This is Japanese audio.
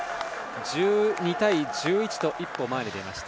１２対１１と一歩前に出ました。